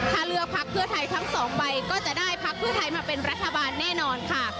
ถ้าเลือกพักเพื่อไทยทั้งสองใบก็จะได้พักเพื่อไทยมาเป็นรัฐบาลแน่นอนค่ะ